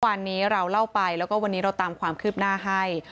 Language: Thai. วันนี้เราเล่าไปแล้วก็วันนี้เราตามความคืบหน้าให้